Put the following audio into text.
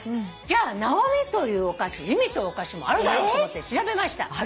じゃあ「なおみ」というお菓子「ゆみ」というお菓子もあるだろうと思って調べました。